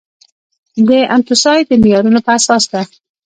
د انتوسای د معیارونو په اساس ده.